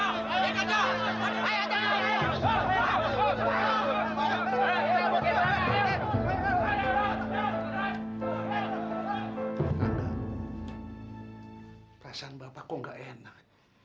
angga perasaan bapak kok gak enak